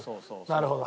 なるほど。